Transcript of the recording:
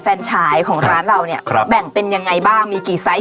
ฉายของร้านเราเนี่ยครับแบ่งเป็นยังไงบ้างมีกี่ไซส์